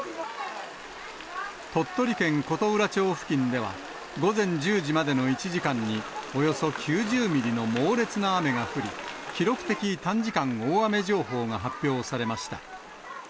鳥取県琴浦町付近では午前１０時までの１時間に、およそ９０ミリの猛烈な雨が降り、記録的短時間大雨情報が発表されました。